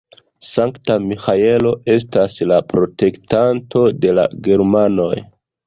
Sankta Miĥaelo estas la protektanto de la germanoj.